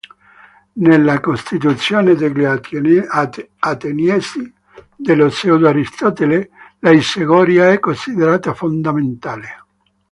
Nella "Costituzione degli Ateniesi" dello pseudo-Aristotele, l'isegoria è considerata fondamentale.